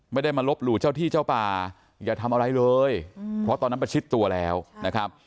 ไม่ได้มาลบหลู่เจ้าที่เจ้าป่าอย่าทำอะไรเลยเพราะตอนนั้นประชิดตัวแล้วนะครับ